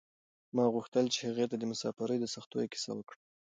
ما غوښتل چې هغې ته د مساپرۍ د سختیو کیسه وکړم.